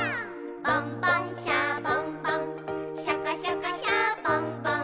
「ボンボン・シャボン・ボンシャカシャカ・シャボン・ボン」